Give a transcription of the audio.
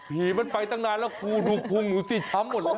มันไปตั้งนานแล้วครูดูพุงหนูสิช้ำหมดเลย